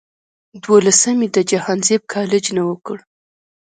دولسم ئې د جهانزيب کالج نه اوکړو